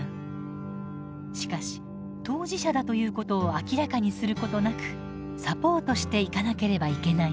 しかし当事者だということを明らかにすることなくサポートしていかなければいけない。